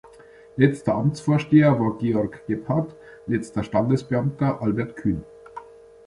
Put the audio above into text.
Letzter Amtsvorsteher war Georg Gebhardt, letzter Standesbeamter Albert Kühn.